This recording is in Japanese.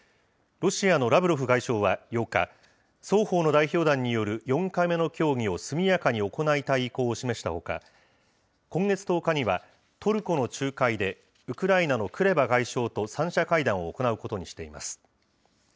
ロシアのラブロフ外相は８日、双方の代表団による４回目の協議を速やかに行いたい意向を示したほか、今月１０日には、トルコの仲介でウクライナのクレバ外相と３者会談を行うことにしています。